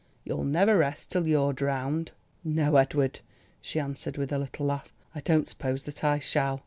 You'll never rest till you're drowned." "No, Edward," she answered with a little laugh. "I don't suppose that I shall.